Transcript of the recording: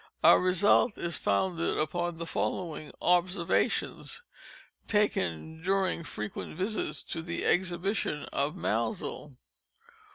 Our result is founded upon the following _observations _taken during frequent visits to the exhibition of Maelzel.